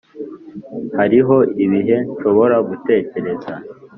hariho ibihe nshobora gutekereza